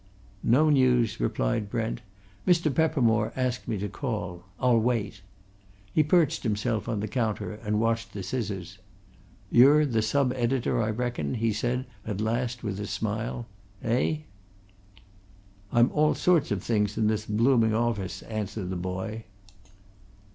"No news," replied Brent. "Mr. Peppermore asked me to call. I'll wait." He perched himself on the counter, and watched the scissors. "You're the sub editor, I reckon?" he said at last with a smile. "Eh?" "I'm all sorts of things in this blooming office," answered the boy.